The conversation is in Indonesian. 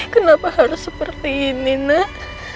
kenapa harus seperti ini nak